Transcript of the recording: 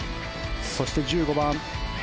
そして１５番。